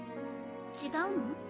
違うの？